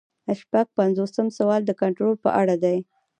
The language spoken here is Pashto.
شپږ پنځوسم سوال د کنټرول په اړه دی.